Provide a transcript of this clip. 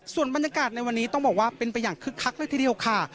ส่วนบรรยากาศในวันนี้ต้องบอกว่าเป็นไปอย่างคึกคักเลยทีเดียวค่ะ